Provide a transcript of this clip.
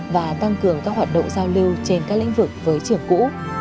và tăng cường các hoạt động giao lưu trên các lĩnh vực với trường cũ